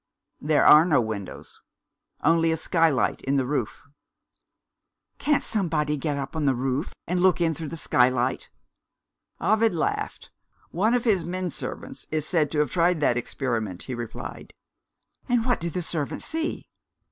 "There are no windows only a skylight in the roof." "Can't somebody get up on the roof, and look in through the skylight?" Ovid laughed. "One of his men servants is said to have tried that experiment," he replied. "And what did the servant see?"